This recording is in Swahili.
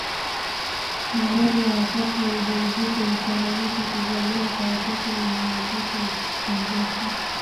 Malaria wakati wa ujauzito husababisha kuzaliwa kwa watoto wenye uzito pungufu